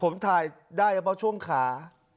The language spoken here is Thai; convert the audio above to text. ผมถ่ายได้หรือเปล่าช่วงขา